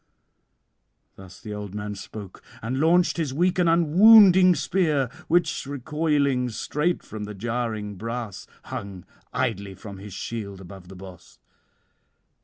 Thus the old man spoke, and launched his weak and unwounding spear, which, recoiling straight from the jarring brass, hung idly from his shield above the boss.